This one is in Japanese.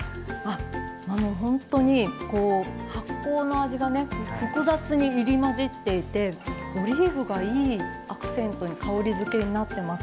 本当に発酵の味が複雑に入り混じっていて、オリーブがいいアクセントに香りづけになってます。